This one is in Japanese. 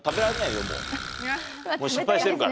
もう失敗してるから。